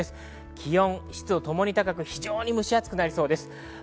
気温湿度ともに高く非常に蒸し暑くなりそうです。